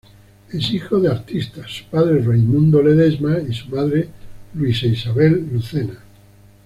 Es hijo de artistas, su padre Raimundo Ledesma y su madre Luisa Ysabel Lucena.